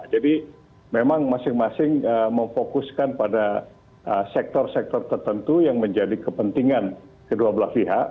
jadi memang masing masing memfokuskan pada sektor sektor tertentu yang menjadi kepentingan kedua belah pihak